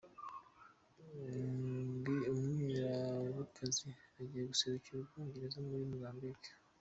Umwiraburekazi agiye guserukira Ubwongereza muri Mozambique.